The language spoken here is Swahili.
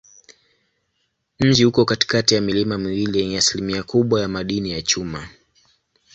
Mji uko katikati ya milima miwili yenye asilimia kubwa ya madini ya chuma.